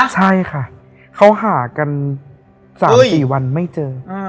ใช่ค่ะเขาหากัน๓๔วันไม่เจอ